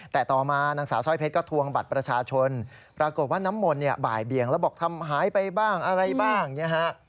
แต่ต่อมานางสาวสร้อยเพชรก็ทวงบัตรประชาชนปรากฏว่าน้ำมนต์เนี่ยบ่ายเบียงแล้วบอกทำหายไปบ้างอะไรบ้างเนี่ยฮะ